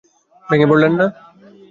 ভেঙ্গে পড়লেন না।